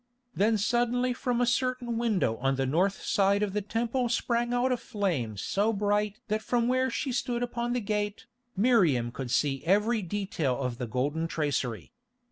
Then suddenly from a certain window on the north side of the Temple sprang out a flame so bright that from where she stood upon the gate, Miriam could see every detail of the golden tracery.